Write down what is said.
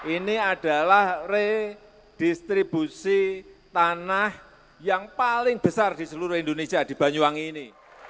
ini adalah redistribusi tanah yang paling besar di seluruh indonesia di banyuwangi ini